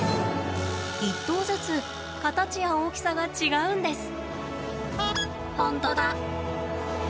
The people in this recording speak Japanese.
１頭ずつ形や大きさが違うんです。